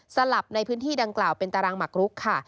สลับในพื้นที่ดังกล่าวเป็นตารางหมักรุกค่ะ